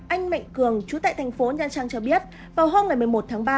anh mạnh cường chú tại thành phố nha trang cho biết vào hôm một mươi một tháng ba